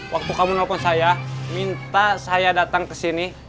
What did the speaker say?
waktu kamu nelfon saya minta saya datang ke sini